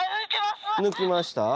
抜きました？